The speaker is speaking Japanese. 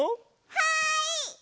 はい！